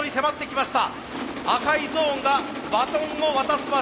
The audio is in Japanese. きました！